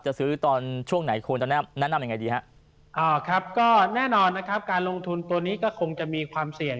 จะซื้อตอนช่วงไหนควรจะแนะนำยังไงดีฮะอ่าครับก็แน่นอนนะครับการลงทุนตัวนี้ก็คงจะมีความเสี่ยง